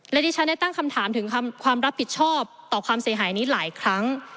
และที่ฉันได้ตั้งคำถามถึงความรับผิดชอบต่อความเสียหายนี้หลายครั้ง